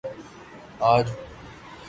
آج